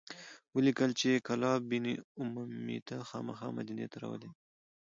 ولیکل چې کلاب بن امیة خامخا مدینې ته راولیږه.